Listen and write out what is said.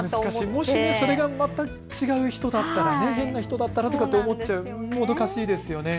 もしそれがまた違う人だったら、変な人だったらと思うともどかしいですよね。